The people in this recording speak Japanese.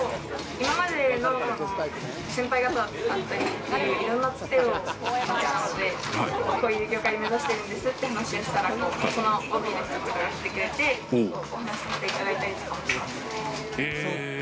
今までの先輩方だったりいろんなツテをお持ちなので、こういう業界目指してるんですって話をしたらＯＢの人とかが来てくれてお話させていただいたりしてます。